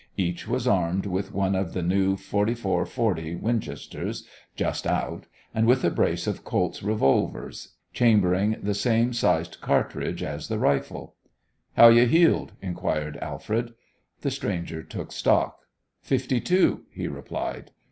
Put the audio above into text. Each was armed with one of the new 44 40 Winchesters, just out, and with a brace of Colt's revolvers, chambering the same sized cartridge as the rifle. "How you heeled?" inquired Alfred. The stranger took stock. "Fifty two," he replied.